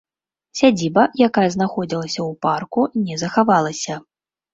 Сядзіба, якая знаходзілася ў парку, не захавалася.